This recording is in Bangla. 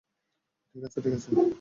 ঠিক আছে, ঠিক আছে!